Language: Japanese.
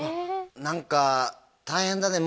何か大変だね